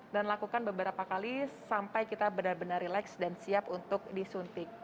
dan lakukan beberapa kali sampai kita benar benar relax dan siap untuk disuntik